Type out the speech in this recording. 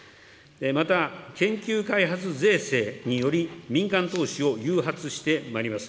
また研究開発税制により民間投資を誘発してまいります。